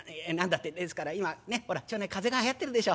ってですから今ねっほら町内風邪がはやってるでしょ。